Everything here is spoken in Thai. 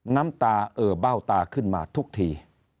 น้ำตาเอ่อเบ้าตาขึ้นมาทุกที